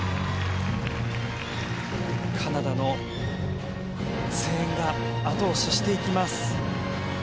カナダの声援が後押ししていきます。